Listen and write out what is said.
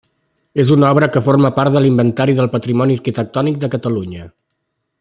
És una obra que forma part de l'Inventari del Patrimoni Arquitectònic de Catalunya.